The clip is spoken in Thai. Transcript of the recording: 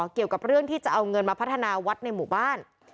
เกี่ยวกับเรื่องที่จะเอาเงินมาพัฒนาวัดในหมู่บ้าน